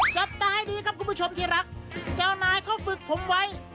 จับตาให้ดีครับคุณผู้ชมที่รักเจ้านายเขาฝึกผมไว้